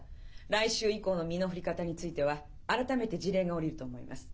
来週以降の身の振り方については改めて辞令が下りると思います。